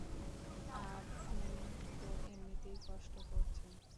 আপনি তো এমনিতেই কষ্ট করছেন।